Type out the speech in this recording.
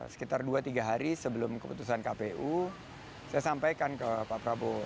sekitar dua tiga hari sebelum keputusan kpu saya sampaikan ke pak prabowo